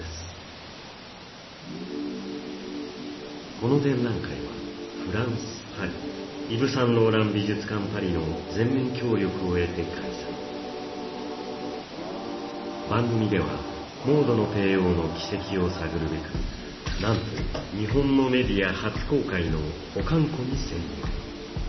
この展覧会はフランス・パリイヴ・サンローラン美術館パリの全面協力を得て開催番組ではモードの帝王の軌跡を探るべくなんと日本のメディア初公開の保管庫に潜入